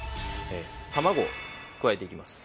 卵を加えていきます